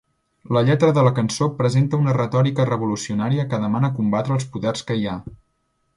La lletra de la cançó presenta una retòrica revolucionària que demana combatre els "poders que hi ha".